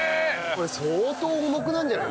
これ相当重くなるんじゃない？